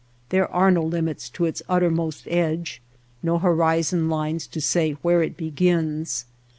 There are no limits to its uttermost edge, no horizon lines to say where it begins.